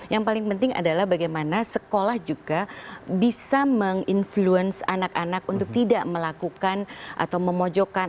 yang paling penting adalah bagaimana sekolah juga bisa meng influence anak anak untuk tidak melakukan atau memojokkan